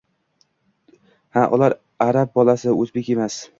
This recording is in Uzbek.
Ha, ular arab bolasi, o‘zbek emas